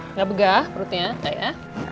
nggak begah perutnya